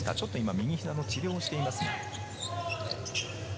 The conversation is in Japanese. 右膝の治療をしています。